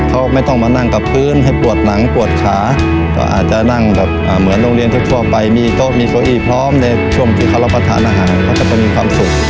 เขาไม่ต้องมานั่งกับพื้นให้ปวดหนังปวดขาก็อาจจะนั่งแบบเหมือนโรงเรียนทั่วไปมีโต๊ะมีเก้าอี้พร้อมในช่วงที่เขารับประทานอาหารเขาจะมีความสุข